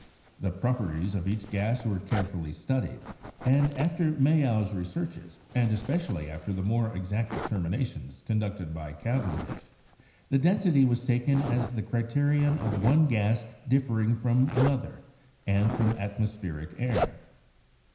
The properties of each gas were carefully studied; and, after Mayow's researches, and especially after the more DEVELOPMENT OF SPECIAL BRANCHES 127 exact determinations conducted by Cavendish, the density was taken as the criterion of one gas differing from an other and from atmospheric air.